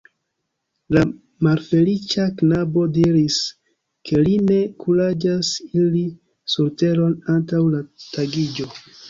La malfeliĉa knabo diris, ke li ne kuraĝas iri surteron antaŭ la tagiĝo.